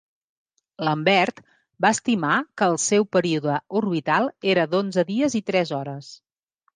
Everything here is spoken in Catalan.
Lambert va estimar que el seu període orbital era d"onze dies i tres hores.